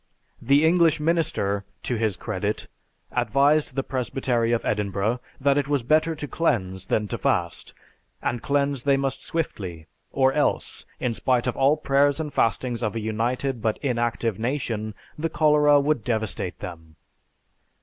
The English minister, to his credit, advised the Presbytery of Edinburgh that it was better to cleanse than to fast, and cleanse they must swiftly or else, in spite of all prayers and fastings of a united but inactive nation, the cholera would devastate them.